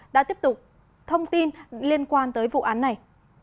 đã tiếp tục thông tin liên quan tới vụ án này